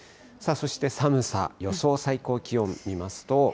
そして寒さ、予想最高気温見ますと。